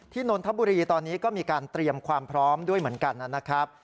นนทบุรีตอนนี้ก็มีการเตรียมความพร้อมด้วยเหมือนกันนะครับ